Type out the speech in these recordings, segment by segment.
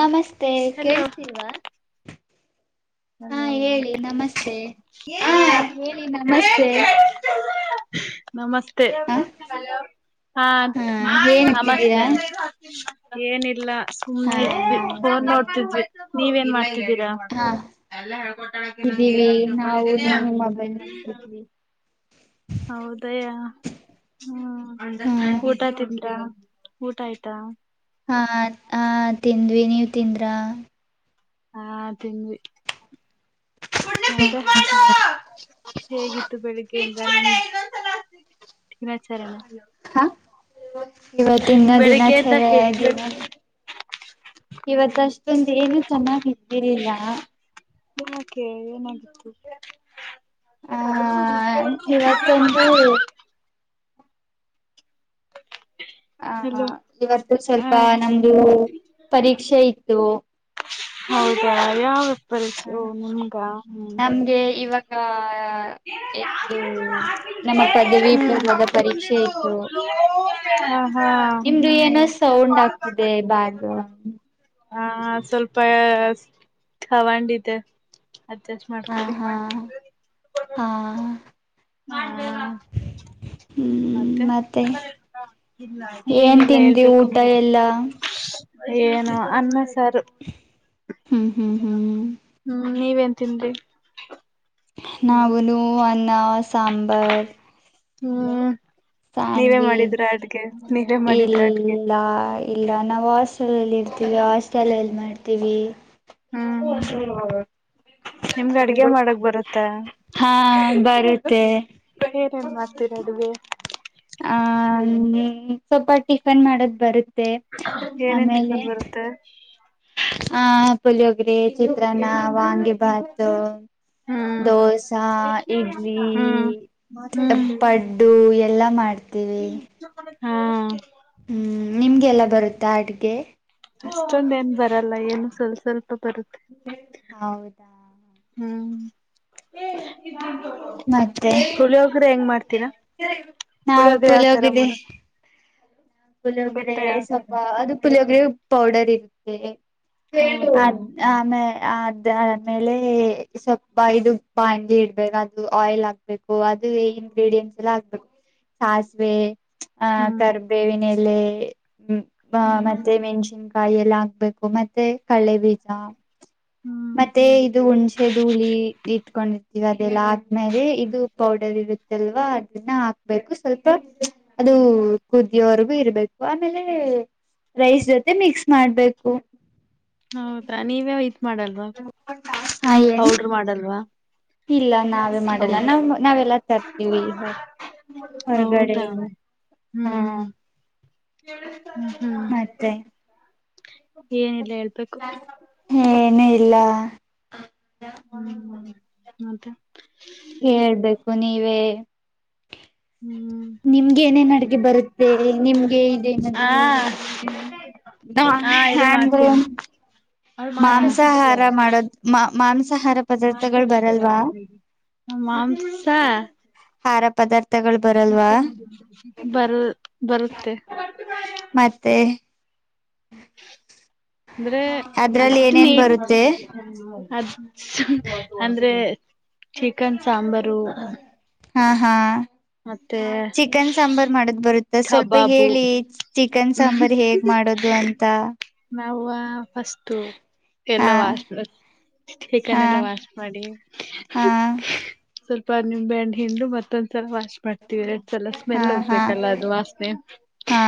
ನಮಸ್ತೆ ಹಲೋ ಕೇಳಸ್ತಿಲ್ಪ. ಹಾ ಹೇಳಿ ನಮಸ್ತೆ [unintelligible] [inaudible] ನಮಸ್ತೆ ಹ ಹಾ ನಮಸ್ತೆ ಏನಿಲ್ಲ ಹಾ ಸುಮ್ನೆ ಇದ್ವಿ ಫೋನ್ ನಮಸ್ತೆ ನೋಡ್ತಿದ್ವಿ ನೀವೇನ್ ಮಾಡ್ತಿದೀರಿ. ಹಾ ಇದೀವಿ ನಾವುನು ಮೊಬೈಲ್ ನೊಡ್ತಿದ್ವಿ. ಹೌದ ಯ ಹ್ಮ ಹಾ ಊಟ ತಿಂದ್ರಾ ಊಟ ಆಯ್ತಾ. ಹಾ ಹ ತಿಂದ್ವಿ ನೀವ್ ತಿಂದ್ರಾ. ಹಾ ತಿಂದ್ವಿ ಮತ್ತೆ ಮತ್ತೆ ಹೇಗಿತ್ತು ಬೆಳಿಗ್ಗೆಯಿಂದ. ಸಮಾಚಾರ ಇವತ್ತ ದಿನ್ನ ದಿನಾಚರ ದಿನ ಹೇಗಿತ್ತು ಇವತ್ತಷ್ಟೊಂದು ಏನು ಚೆನ್ನಾಗಿದ್ದೀರಿಲ್ಲ. ಯಕೆ ಏನಾಗಿತ್ತು ಆ ್ರ ತೆಗೆದು ಮುಚ್ಕೊಂಡು ಇವತ್ತೊಂದು ಹ ಹ ಹಲೋ ಇವತ್ತು ಸ್ವಲ್ಪ ಹ ನಮ್ದು ಪರೀಕ್ಷೆ ಇತ್ತು ಹೌದಾ ಯಾವ ಹ ವ್ಯಾಪಿ ನಿಮ್ಗ ಹ್ಮ್ ಹ್ಮ ಏನೂ ನಮ್ಮ ಪದವಿ ಪೂರ್ವದ ಪರೀಕ್ಷೆ ಇತ್ತು ಹ ಹಾ ನಿಮ್ದು ಏನೋ ಸೌಂಡ್ ಆಗ್ತಿದೆ ಬ್ಯಾಗ್ ಹಾ ಸ್ವಲ್ಪ ಹವಂಡಿದೆ ಅಡ್ಜಸ್ಟ್ ಹ ಮಾಡ್ತೀ ಹಾ ಹಾ ಮಾಡ್ಬೇಕ ಮತ್ತೆ ಏನ್ ಏನೆಲ್ಲಾ ತಿಂದ್ರಿ ಹೇಳ್ಬೇಕು ಊಟ ನೀರ ಎಲ್ಲಾ ಏನು ಅನ್ನ ಸಾರ ಹ್ಮ್ ಹ್ಮ್ ಹ್ಮ್ ಹ್ಮ್ ನೀವೇನ್ ತಿನ್್ರಿ ನಾಗಲು ಅನ್ನ ಸಾಂಬಾರ್ ಹ್ಮ ಸ್ಯಾಂಡ್ವಿಚ್ ನೀವೇ ಮಾಡಿದ್ರ ಅಡ್ಗೆ ಇಲ್ಲ ಇ ನಾವು ಹಾಸ್ಟೆಲ್ಲ್ಲಿ ಇರ್ತೀವಿ ಹಾಸ್ಟೆಲ್ಲ್ಲಿ ಮಾಡ್ತೀವಿ ಹ್ಮ್ ಹಸ ನಿಮ್ಗ್ ಅಡ್ಗೆ ಮಾಡಕ್ ಬರುತ್ತಾ ಹಾ ಬರುತ್ತೆ ಏರೇನ್ ಮಾಡ್ತೀರಾ ಅದಗೆ ಆ ಸ್ವಲ್ಪ ಟಿಫನ್ ಮಾಡದ್ ಬರುತ್ತ ಏನೇನ್ ಆಮೇಲೆ ಟಿಫನ್ ಬರುತ್ತೆ ಆ ಪುಳಿಯೋಗರೆ ಚಿತ್ರಾನ್ನ ವಾಂಗಿ ಭಾತ್ ಹ್ಮ್ ದೋಸಾ ಹ್ಮ್ ಇಡ್ಲಿ ಹ್ಮ್ ಪಡ್ಡು ಎಲ್ಲ ಮಾಡ ಹಾ ಹ್ಮ್ ನಿಮ್ಗೆಲ್ಲ ಬರುತ್ತಾ ಅಡ್ಗೆ ಅಷ್ಟೊಂದ ಏನ್ ಬರಲ್ಲ ಏನು ಸ್ವಲ್ಪ ಸ್ವಲ್ಪ ಬರುತ್ತೆ ಹೌದಾ ಹ್ಮ್ ಹ ಮತ್ತೆ ಪುಳಿಯೋಗ್ರೆ ಹೆಂಗ್ ಮಾಡ್ತೀರಾ ನಾವು ಪುಳಿಯೋಗ್ರೆ ಯಾವ್ ಪುಲೆ ತರ ಹೋಗಿದ್ದಿ ಮಾಡ ಪುಲಿಯೋಗರೆೆ ಗೊತ್ತಾ ಯಾವ್ ತರ ಸ್ವಲ್ಪ ಅಂತ ಅದು ಪುಲಿಯೋಗರೆ ಪೌಡರ್ ಇರುತ್ತೆ ಹೇಳ ಆ ಹೌದಾ ಆಮೇ ಅದಾದಮೇಲೆ ಸ್ವಲ್ಪ ಇದು ಬಾಂಡಿ ಇಡ್ಬೇಕು ಅದು ಆಯಿಲ್ ಹಾಕ್ಬೇಕು ಅದು ಇಂಗ್ರೀಡಿಯಂಟ್ಸ್ ಎಲ್ಲ ಆಗ್ಬೇಕು ಸಾಸಿವೆ ಆ ಹ್ಮ್ ಕರ್ಬೇವಿನ ಎಲೆ ಹ್ಮ್ ಮತ್ತೆ ಮೆಣಸಿನ್ಕ ಕಾಯಿ ಎಲ್ಲ ಹಾಕ್ಬೇಕು ಮತ್ತೆ ಕಲೆೆ ಬೀಜ ಹ್ಮ್ ಮತ್ತೆ ಇದು ಹುಣ್ಸೆ ಧೂಳಿ ಇಟ್ಕೊಂಡಿರ್ತೀವಿ ಅದೆಲ್ಲ ಆದ್ಮೇಲೆ ಇದು ಪೌಡರ್ ಇರುತ್ತೆ ಅಲ್ವಾ ಅದನ್ನ ಹಾಕ್ಬೇಕು ಸ್ವಲ್ಪ ಅದು ಕುದಿಯವರ್ ಇರ್ಬೇಕು ಆಮೇಲೆ ರೈಸ್ ಜೊತೆ ಮಿಕ್ಸ್ ಮಾಡ್ಬೇಕು ಹೌದ್ರಾ ನೀವ ಇತ್ ಮಾಡಲ್ವಾ ಹಾ ಹೇಳಿ ಹೌಡ್ರ ಮಾಡಲ್ವಾ ಇಲ್ಲ ನಾವೇ ಮಾಡಲ್ಲ ಹೌದು ನಾವ್ ನಾವೆಲ್ಲ ತರ್ತೀವಿ ಹೌದಾ ಹೊರಗಡೆಯಿಂದ ಹಾ ಹ್ಮ್ ಹ್ಮ್ ಮತ್ತೆ ಏನಿಲ್ಲ ಹೇಳ್ಬೇಕು ಏನು ಇಲ್ಲ ಹ್ಮ ಮತ್ತೆ ಹೇಳ್ಬೇಕು ನೀವೇ ಹ್ಮ್ ನಿಮ್ಗೆ ಏನೇನ್ ಅಡಗೆ ಬರುತ್ತೆ ನಿಮ್ಗೆ ಇದೇನದು ಹಾ ನಾ ಹಾ ಇದು ನಂದು ಮಾಡ್ತೀನಿ ಅವಳು ಮಾತಾಡ್ತಿದ್ದಾಳೆ ಮಾಂಸಾಹಾರ ಮಾಡೋದ ಮಾ ಮಾಂಸಾಹಾರ ಪದಾರ್ಥಗಳು ಬರಲ್ವಾ ಮಾಂಸ ಕರ ಪದಾರ್ ಬರು ಬರುತ್ತೆ ಮತ್ತೆ ಅಂದ್ರೆ ಅದ್ರಲ್ಲಿ ಏನೇನ್ ಬರುತ್ತೆ ಅಷ್ಟ ಅಂದ್ರೆ ಚಿಕನ್ ಸಾಂಬಾರು ಹಾ ಹಾ ಹ ಚಿಕನ್ ಸಾಂಬಾರ್ ಮಾಡದ್ ಬರುತ್ತ ಸ್ವಲ್ಪ ಕಬಾಬು ಹೇಳಿ ಚಿಕನ್ ಸಾಂಬಾರ್ ಹೇಗ್ ಮಾಡೋದು ಅ ಅಂತ ನಾವ್ ಫಸ್ಟ್ ಎಲ್ಲ ಹಾ ವಾಸ ಹಾ ಚಿಕನ್ ಎಲ್ಲ ವಾಶ್ ಮಾಡಿ ಹಾ ಸ್ವಲ್ಪ ನಿಂಬೆಹಣ್ಣು ಇಡು ಮತ್ತೊಂದ್ಸಲ ವಾಶ್ ಮಾಡ್ ವಿಡ್ ಸಲ ಹಾ ಸ್ಮೆಲ್ ಹಾ ಹೋಗ್ಬೇಕಲ್ಲ ಅದು ವಾಸನೆ ಹಾ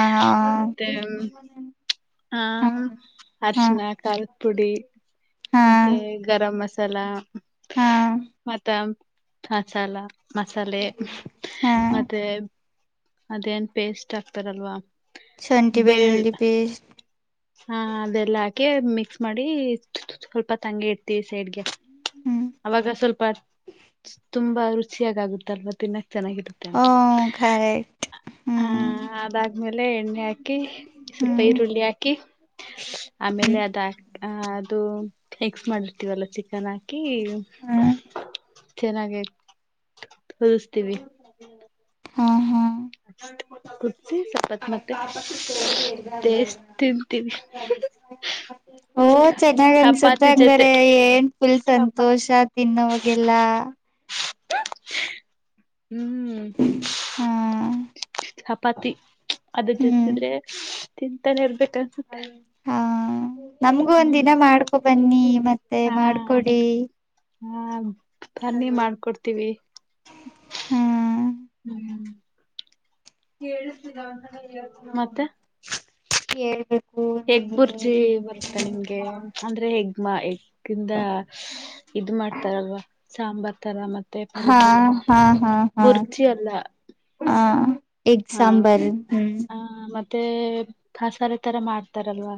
ಹ ಹ ಅರಶಿನ ಖಾರದ ಪುಡಿ ಮತ್ತೆ ಗರಂ ಮಸಾಲ ಹಾ ಹಾ ಮತ್ತೆ ಮಸಾಲಾ ಮಸಾಲೆ ಮತ್ತೆ ಅದೇನ್ ಪೇಸ್ಟ್ ಆಗ್ತಾರಲ್ವಾ ಶಂಠಿ ಬೆಳ್ಳಿ ಪೇಸ್ಟ್ ಹಾ ಅದೆಲ್ಲ ಹಾಕಿ ಮಿಕ್ಸ್ ಮಾಡಿ ಸ್ವಲ್ಪ ತಂಗಿ ಇಡ್ತೀವಿ ಸೈಡ್ಗೆ ಹ್ಮ್ ಅವಾಗ ಸ್ವಲ್ಪ ತುಂಬಾ ರುಚಿಯಾಗಾಗುತ್ತ ಅಲ್ವ ದಿನ ಚೆನ್ನಾಗಿರುತ್ತೆ ಓ ಅಂತ ಕರೆಕ್ಟ್ ಹ ಹ್ಮ್ ಅದಾದ್ಮೇಲೆ ಎಣ್ಣೆ ಹಾಕ ಹಾಕಿ ಸ್ವಲ್ಪ ಹ್ಮ್ ಈರುಳ್ಳಿ ಹಾಕಿ ಹ್ಮ್ ಆಮೇಲೆ ಅದ ಹಾಕ ಆ ಅದು ಮಿಕ್ಸ್ ಮಾಡಿರ್ತೀವಲ್ಲ ಚಿಕನ್ ಹಾಕಿ ಹ್ಮ್ ಚೆನ್ನಾಗಾಗಿ ತೋಸ್ತೀವಿ ಹಾ ಹಾ ಅ ಸಪತ್ ಮತ್ತೆ ಪೇಸ್ಟ್ ತಿಂತೀವಿ ಓ ಚೆನ್ನಾಗ್ ಅನ್ಸುತ್ತೆ ಚಪಾತಿ ಜೊತೆ ಹಂಗಾರೆ ಏನ್ ಫುಲ್ ಚಪಾತಿ ಸಂತೋಷ ತಿನ್ನೋವಾಗೆಲ್ಲ ಹ ಹ್ಮ್ ಹಾ ಚಪಾತಿ ಅದ ಹ್ಮ್ ಜಸಿದ್ರೆ ತಿಂತಾನೆ ಇರ್ಬೇಕ ಅನ್ಸುತ್ತೆ ಹಾ ನಮ್ಗು ಒಂದಿನ ಮಾಡ್ಕೊ ಬನ್ನಿ ಮತ್ತೆ ಮಾಡ್ಕೊಡಿ ಆಯ್ತು ಹಾ ಬನ್ನಿ ಮಾಡ್ಕೊಡ್ತೀವಿ ಹಾ ಹ್ಮ್ ಮತ್ತೆ ಏಳ್ಬೇಕು ಹೆಗ್ ಬುರ್ಜಿ ಬರುತ್ತ ನಿಮ್ಗೆ ಅಂದ್ರೆ ಹೆಗ್ ಹೆಗ್ ಇದ ಮಾಡ್ತಾರಲ್ವಾ ಸಾಂಬಾರ್ ತರ ಮತ್ತೆ ಮತ್ತೆ ಹಾ ಪಲ್ಯ ತರ ಹಾ ಹಾ ಹಾ ಬುರ್ಜಿ ಅಲ್ಲ ಹ ಎಗ್ ಹ ಸಾಂಬಾರ್ ಆ ಮತ್ತೆ ಕಸಾಲ ತರ ಮಾಡ್ತಾರಲ್ವಾ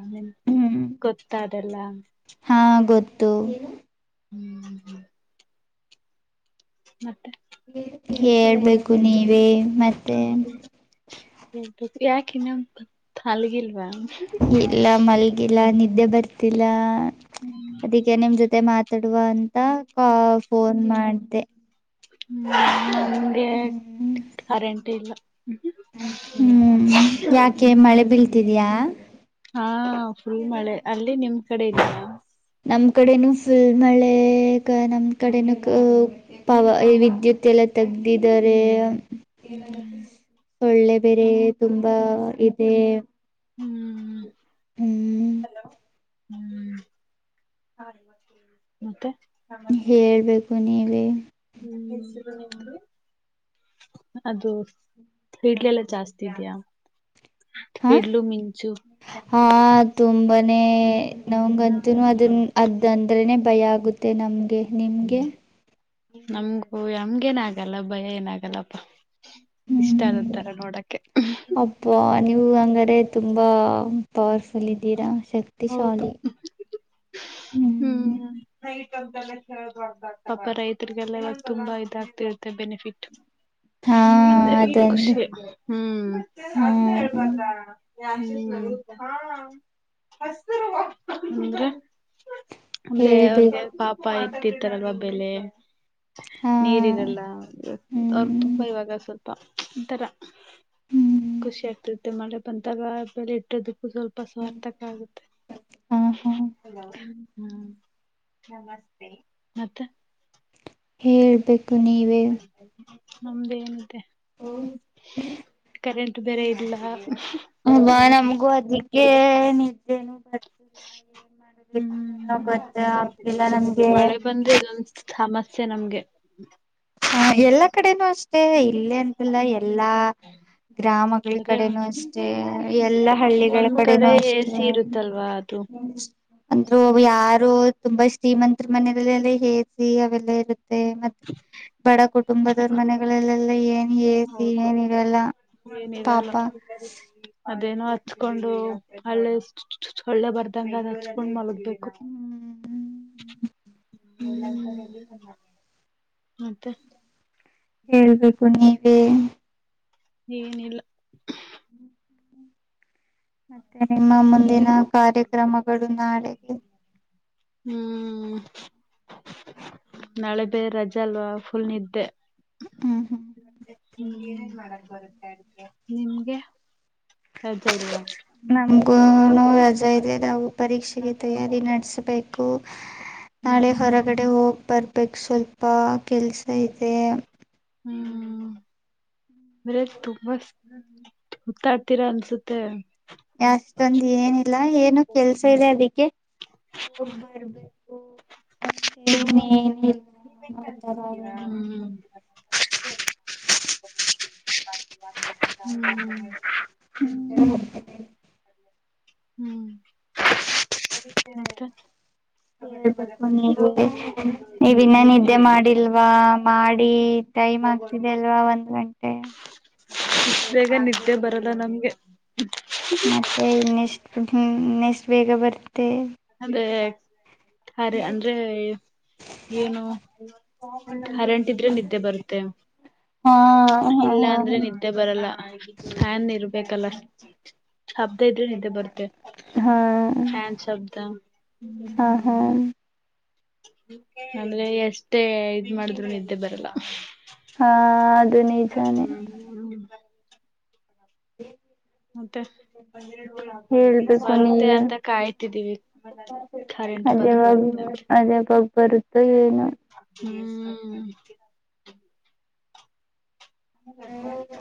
ಹ್ಮ್ ಗೊತ್ತ ಅದೆಲ್ಲ ಹಾ ಗೊತ್ತು [inaudible] ಮತ್ತೆ ಹೇಳ್ಬೇಕು ನೀವೇ ಮತ್ತೆ ಯಾಕ್ ಇನ್ನು ಮಲಗಿಲ್ ಇಲ್ಲ ಮಲ್ಗಿಲ್ಲ ನಿದ್ದೆ ಬರ್ತಿಲ್ಲ ಅದಕ್ಕೆ ನಿಮ್ ಜೊತೆ ಮಾತ್ ಮಾತಡುವ ಅಂತ ಫೋನ್ ಮಾಡ್ದ. ಹೇ ಹ್ಮ್ ಕರೆಂಟ್ ಇಲ್ಲ. ಹ್ಮ್ ಯಾಕೆ ಮಳೆ ಬೀಳ್ತಿದ್ಯಾ. ಹಾ ಫುಲ್ ಮಳೆ ಅಲ್ಲಿ ನಿಮ್ ಕಡೆ ಇಲ್ವಾ. ನಮ್ ಕಡೆನೂ ಫುಲ್ ಮಳೆಗ ನಮ್ ಕಡೆನ ಪವರ ವಿದ್ಯುತ್ ಎಲ್ಲಾ ತೆಗ್ದಿದ್ ತೆಗ್ದಿದ್ದರೆ ಹ್ಮ್ ಹ್ಮ್ ಬೇರೆ ತುಂಬಾ ಇದೆ. ಹ್ಮ್ ಹ್ಮ್ ಹ್ಮ್ ಮತ್ತೆ ಹೇಳ್ಬೇಕು ನೀವೇ ಹ್ಮ್ ಅದು ಸ್ಪಿಡ್ಲೆಲ್ಲ ಜಾಸ್ತಿ ಇದ್ಯಾ. ಹಾ ಹಾ ತುಂಬಾನೇ ನಮಂಗಂತು ಅದನ್ ಅದಂದ್ರೆನೆ ಭಯ ಆಗುತ್ತೆ ನಮ್ಗೆ ನಿಮ್ಗೆ. ನಮ್ಗೂ ಏನು ಆಗಲ್ಲ ಭಯ ಏನಾಗಲ್ಲಪ್ಪಾ. ಇಷ್ಟ ಹ್ಮ್ ಒಂತರ ನೋಡಕ್ಕೆ. ಅಬ್ಬಾ ನೀವು ಹಂಗಾರೆ ತುಂಬಾ ಪವರ್ಫುಲ್ ಇದ್ದೀರಾ ಹೌದು ಶಕ್ತಿಶಾಲಿ. ಹ್ಮ್ ಪಾಪ ರೈತರಿಗೆಲ್ಲ ಇವಾಗ ತುಂಬಾ ಇದಾಗ್ತಿರುತ್ತೆ ಬೆನಿಫಿಟ್. ಹಾ ಅ ಈ ಅದೊಂದು ಖುಷಿ ಹ್ಮ ಹಾ ಅದ ಹೇಳ್ಬಾರ್ದ. [inaudible] ಅಂದ್ರೆ ಅವ್ರಿಗೆ ಹೇಳ್ಬೇಕು ಪಾಪ ಇಟ್ರ್ತಾರಲ್ವ ಬೆಲೆ. ಹಾ ನೀರಿರಲ್ಲಾ ಹ್ಮ್ ತುಂಬ ಇವಾಗ ಸ್ವಲ್ ಒಂತರ ಹ್ಮ್ ಖುಷಿ ಆಗ್ತಿತೆ ಮಳೆ ಬಂದಾಗ ಬೆಳೆ ಇಟ್ಟೋದು. ಸ್ವಲ್ಪ ಸ್ವಾರ್ಥಕ ಆಗುತ್ತೆ ಹಾ ಹಾ ಹ್ಮ್ ಮತ್ತೆ ಹೇಳಬೇಕು ನೀವೇ ನಮ್ದೇ ಅಂತೆ ಕರೆಂಟ್ ಬೇರೆ ಇಲ್ಲ. ಅವಾಗ ಪವರ್ ನಮ್ಗೂ ಅದಕ್ಕೆ ನಿದ್ದೇನು. ಏನ ಹ್ಮ್ ಗೊತ್ತ ಆಗ್ಲಿಲ್ಲ ನಮ್ಗೆ ಹಿಂಸೆ ನಮ್ಗೆ ಹ ಎಲ್ಲಾ ಕಡೆನೂ ಅಷ್ಟೇ ಇಲ್ಲೇ ಅಂತಲ್ಲ ಎಲ್ಲಾ ಗ್ರಾಮಗಳ ಅಂದ್ರೆ ಕಡೆನೂ ಅಷ್ಟೇ ಎಲ್ಲಾ ಹಳ್ಳಿಗಳ ಒಂದ್ ಕಡೆನೂ ಕಡೆ ಎ ಅಷ್ಟೇ. ಸಿ ಇರುತ್ತಲ್ವಾ ಅದು [inaudible] ಅಂದ್ರು ಯಾರು ತುಂಬಾ ಶ್ರೀಮಂತರ ಮನಲ್ಲೆಲ್ಲ ಹೇಗಿ ಅವೆಲ್ಲ ಇ ಮತ್ತೆ ಬಡ ಕುಟುಂಬದವ್ರ ಮನೆಗಳಲ್ಲೆಲ್ಲ ಏನ್ ಎ ಸಿ ಏನೀರಲ್ಲ. ರ ಅದೇನೋ ಹಚ್ಕೊಂಡು ಹಳ್ಳೆ ಚುಚ್ಕಳೊಬರ್ದು. ಗ ಅದ ಹಚ್ಕೊಂಡ್ ಮಲಗ್ಬೇಕು. ಹ್ಮ್ ಹೂ ಮತ್ತೆ ಹೇಳ್ಬೇಕು ನೀವೇ ಏನಿಲ್ಲ ಮತ್ತೆ ನಿಮ್ಮ ಮುಂದಿನ ಕಾರ್ಯಕ್ರಮಗಳು ನಾಳೆಗೆ. ಹೂ ನಾಳೆ ಬೇ ರಜೆ ಅಲ್ವಾ ಫುಲ್ ನಿದ್ದೆ. ಹ್ಮ್ ಹ್ಮ್ ನಿಮ್ಗೆ ರಜಾ ಇಲ್ವಾ. ನಮಗೂನು ರಜಾ ಇದೆ ನಾವು ಪರೀಕ್ಷೆಗೆ ತಯಾರಿ ನಡೆಸಬೇಕು ಹ್ಮ್ ನಾಳೆ ಹ್ಮ್ ಹೊರಗಡೆ ಹೋಗಿ ಬರ್ಬೇಕು ಸ್ವಲ್ಪ ಕೆಲ್ಸ ಇದೆ ಹೂ ಅಂದ್ರೆ ತುಂಬಾ ಹುತ್ತಾಡ್ತೀರಾ ಅನ್ಸುತ್ತೆ ಅಷ್ಟೊಂದು ಏನಿಲ್ಲ ಏನು ಕೆಲ್ಸ ಇದೆ ಅದಕ್ಕೆ ಹ್ ಬರ್ಬೇಕು [unintelligible] ಹೂ [unintelligible] ಹೂ [unintelligible] ಹೂ ಹೂ ಮತ್ತೆ ಹೇಳಬೇಕು ನೀವೇ [inaudible] ಎನ್ನ ನಿದ್ದೆ ಏನಿಲ್ಲ ಮಾಡಿಲ್ವಾ ಮಾಡಿ ಟೈಮ್ ಆಗ್ತಿದೆ ಅಲ್ವಾ ಒಂದು ಗಂಟೆ ಕಾಲಿ [unintelligible] ಇಷ್ಟು ಬೇಗ ನಿದ್ದೆ ಬರದ ನಮ್ಗೆ ಮತ್ತೆ ಇನ್ನೆಷ್ಟು ಇನ್ನೆಷ್ಟು ಬೇಗ ಬರುತ್ತೆ ಅ ಅ ಅಂದ್ರೆ ಏನು ಕರೆಂಟ್ ಇದ್ರೆ ನಿದ್ದೆ ಬರುತ್ತೆ ಹಾ ಹಾ ಇಲ್ಲ ಹಾ ಅಂದ್ರೆ ನಿದ್ದೆ ಬರಲ್ಲ ಫ್ಯಾನ್ ಇರ್ಬೇಕಲ್ಲ ಶಬ್ದ ಇದ್ರೆ ನಿದ್ದೆ ಬರುತ್ತೆ ಹಾ ಫ್ಯಾನ್ ಶಬ್ದ ಹಾ ಹಾ ಅಂದ್ರೆ ಎಷ್ಟೇ ಇದ್ ಮಾಡಿದ್ ನಿದ್ದೆ ಬರಲ್ಲ ಹಾ ನಿಜಾನೇ ಹ್ಮ್ ಹ್ಮ ಹ್ [unintelligible] ಮತ್ತೆ ಹೇಳ್ಬೇಕು ಬರುತ್ತೆ ನೀವೇ ಅಂತ ಕಾಯ್ತಿದ್ದೀವಿ ಕರೆಂಟ್ ಅದೇ ಬದು ಬ ಬರುತ್ತೆ ಅಂತ ಅದೇ ಬಾಗ ಬರುತ್ತೆ ಏನು [unintelligible] ಹ್ಮ್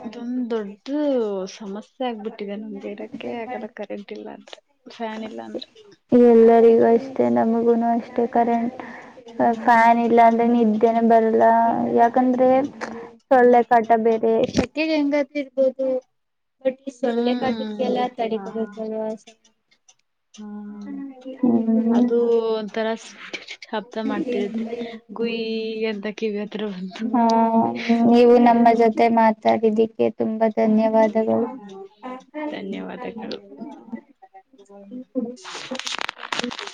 ಇದೊಂದ ದೊಡ್ಡ ಸಮಸ್ಯೆ ಸಮಸ್ಯೆ ಆಗ್ಬಿಟ್ಟಿದೆ ನಮ್ ಹಿರೇಕೆ ಯಾಕಲ್ಲ ಕರೆಂಟ್ ಇಲ್ಲ ಅಂದ್ರೆ ಫ್ಯಾನ್ ಇಲ್ಲ ಅಂದ್ರೆ ಎಲ್ಲರಿಗೂ ಅಷ್ಟೇ ನಮಗೂನು ಅಷ್ಟೆ ಕರೆಂಟ್ ಫ್ಯಾನ್ ಇಲ್ಲ ಅಂದ್ರಾಗ ನಿದ್ದೇನೆ ಬರಲ್ಲ ಯಾಕಂದ್ರೆ ಸೊಳ್ಳೆ ಕಾಟ ಬೇರೆ ಸೆಕ್ಕೆ ಹೆಂಗಾದ್ರೂ ಇರ್ಬೋದು ಬಟ್ ಈ ಸೊಳ್ಳೆ ಹ್ಮ್ ಕಾಟಕ್ಕೆಲ್ಲ ಹ ತಡಿಕೋಬೇಕಲ್ವಾ ಹ ಹ್ಮ್ ಅದು ಒಂಥರ ಶಬ್ದ ಮಾಡ್ತಿರುತ್ತೆ ಗುಯಿ ಎಂತ ಕಿವಿ ಹತ್ರ ಬಂತು ಹಾ ನೀವು ನಮ್ಮ ಜೊತೆ ಮಾತಾಡಿದಕ್ಕೆ ತುಂಬಾ ಧನ್ಯವಾದಗಳು ಧನ್ಯವಾದಗಳು ಶಬ್ದ [unintelligible]